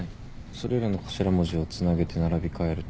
それらの頭文字をつなげて並び替えると。